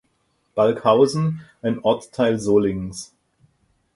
Balkhausen ein Ortsteil Solingens.